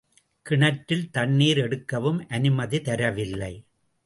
கிணற்றில் தண்ணீர் எடுக்கவும் அனுமதி தரவில்லை.